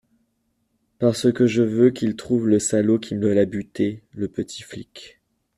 Parce que je veux qu’il trouve le salaud qui me l’a buté, le petit flic.